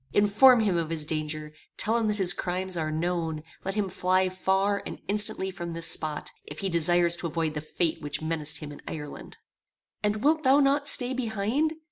Inform him of his danger; tell him that his crimes are known; let him fly far and instantly from this spot, if he desires to avoid the fate which menaced him in Ireland. "And wilt thou not stay behind?